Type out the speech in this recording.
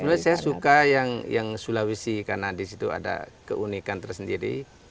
sebenarnya saya suka yang sulawesi karena di situ ada keunikan tersendiri